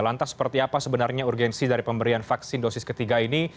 lantas seperti apa sebenarnya urgensi dari pemberian vaksin dosis ketiga ini